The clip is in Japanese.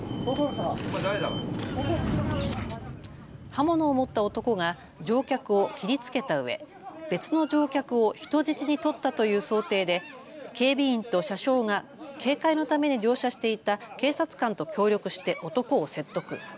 刃物を持った男が乗客を切りつけたうえ別の乗客を人質に取ったという想定で警備員と車掌が警戒のために乗車していた警察官と協力して男を説得。